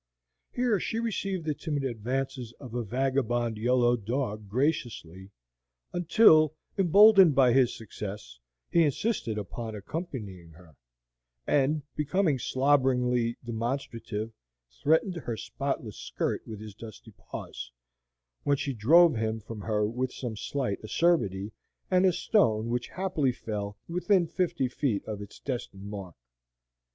Here she received the timid advances of a vagabond yellow dog graciously, until, emboldened by his success, he insisted upon accompanying her, and, becoming slobberingly demonstrative, threatened her spotless skirt with his dusty paws, when she drove him from her with some slight acerbity, and a stone which haply fell within fifty feet of its destined mark.